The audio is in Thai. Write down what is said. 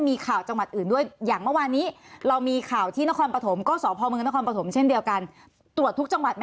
ตรวจอยู่ที่นครราชศิลป์มา